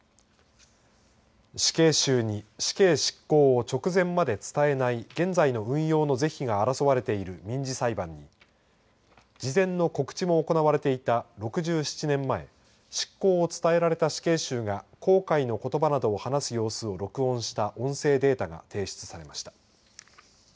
死刑囚に死刑執行を直前まで伝えない現在の運用の是非が争われている民事裁判に事前の告知も行われていた６７年前執行を伝えられた死刑囚が後悔のことばなどを話す様子を録音した音声データが提出されました。